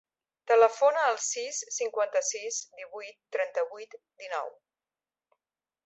Telefona al sis, cinquanta-sis, divuit, trenta-vuit, dinou.